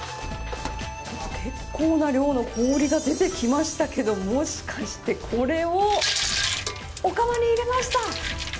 結構な量の氷が出てきましたけどもしかして、これをお釜に入れました。